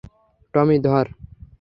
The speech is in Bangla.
টমি, ধর!